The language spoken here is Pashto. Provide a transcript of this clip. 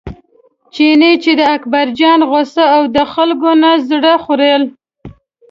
چیني چې د اکبرجان غوسه او د خلکو نه زړه خوړل.